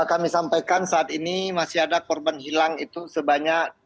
kami sampaikan saat ini masih ada korban hilang itu sebanyak dua puluh sembilan orang